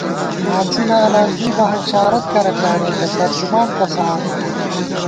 ہانسی نہ الَنزُوئی بہ ہنشارت کرہ پیانېتہ ، ترجمان کسہ آنېمہ